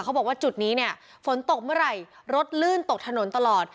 บอกว่าจุดนี้เนี่ยฝนตกเมื่อไหร่รถลื่นตกถนนตลอด